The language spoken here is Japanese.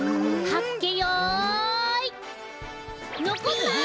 はっけよいのこった！